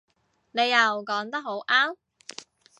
你又講得好啱